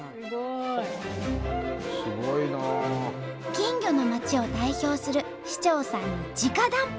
金魚の町を代表する市長さんに直談判。